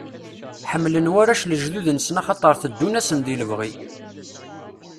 Ḥemmlen warrac lejdud-nsen axaṭer teddun-asen di lebɣi.